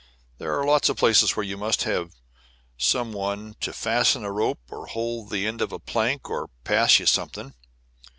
There are lots of places where you must have some one to fasten a rope or hold the end of a plank or pass you something.